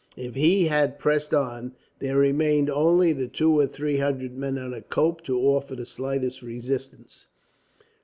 If he had pressed on, there remained only the two or three hundred men under Cope to offer the slightest resistance.